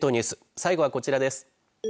最後はこちらです。